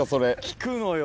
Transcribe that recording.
効くのよ